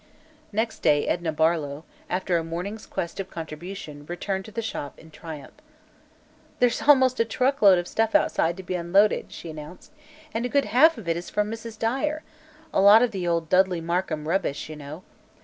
Next day Edna Barlow, after a morning's quest of contributions, returned to the Shop in triumph. "There's almost a truck load of stuff outside, to be unloaded," she announced, "and a good half of it is from Mrs. Dyer a lot of the old Dudley Markham rubbish, you know.